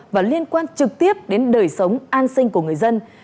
và liên quan trực tiếp đến đời sống an sinh của người dân